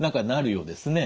そうですね。